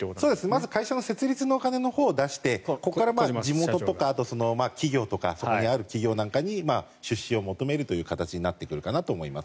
まず会社の設立のお金を出してそれから地元とかあと、企業とかそこにある企業なんかに出資を求める形となっています。